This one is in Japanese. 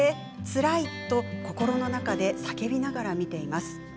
つらいと心の中で叫びながら見ています。